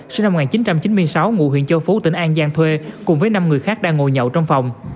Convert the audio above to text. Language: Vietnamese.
sinh năm một nghìn chín trăm chín mươi sáu ngụ huyện châu phú tỉnh an giang thuê cùng với năm người khác đang ngồi nhậu trong phòng